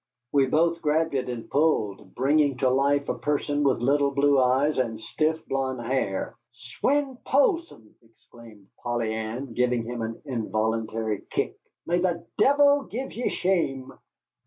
We both grabbed it and pulled, bringing to life a person with little blue eyes and stiff blond hair. "Swein Poulsson!" exclaimed Polly Ann, giving him an involuntary kick, "may the devil give ye shame!"